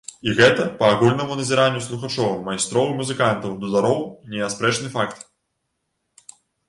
І гэта, па агульнаму назіранню слухачоў, майстроў і музыкантаў-дудароў, неаспрэчны факт!